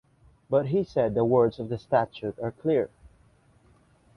But he said the words of the statute are clear.